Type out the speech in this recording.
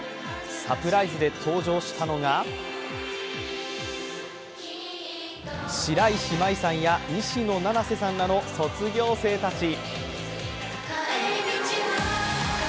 サプライズで登場したのが白石麻衣さんや西野七瀬さんらの卒業生たち。